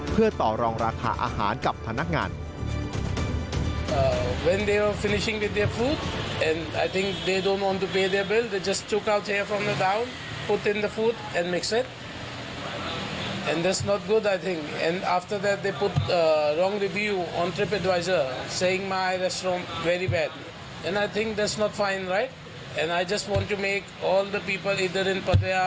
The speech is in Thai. เพื่อต่อรองราคาอาหารกับพนักงาน